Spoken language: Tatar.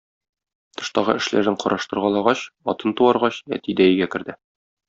Тыштагы эшләрен караштыргалагач, атын туаргач, әти дә өйгә керде.